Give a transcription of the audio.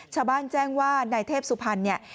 ชาวบ้านแจ้งว่านายเทพสุพรรณเนี่ย